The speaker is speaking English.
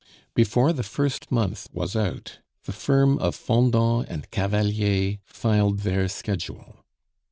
Before the first month was out, the firm of Fendant and Cavalier filed their schedule.